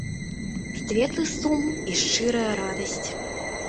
Светлы сум і шчырая радасць.